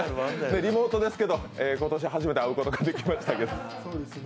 リモートですけど、今年初めて会うことができましたけれども。